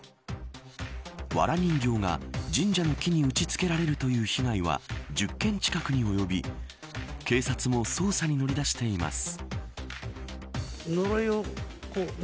わら人形が、神社の木に打ち付けられるという被害は１０件近くに及び警察も捜査に乗り出しています。